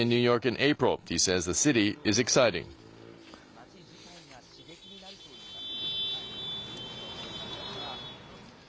街自体が刺激になるといいます。